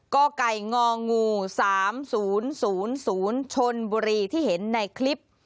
กไก่งองู๓๐๐ชนบุรีที่เห็นในคลิป